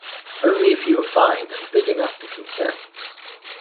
Only if you are fine and big enough to consent.